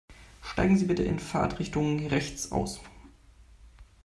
Steigen Sie bitte in Fahrtrichtung rechts aus.